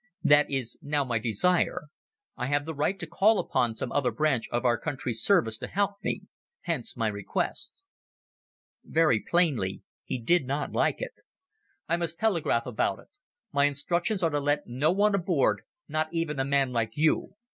That is now my desire. I have the right to call upon some other branch of our country's service to help me. Hence my request." Very plainly he did not like it. "I must telegraph about it. My instructions are to let no one aboard, not even a man like you.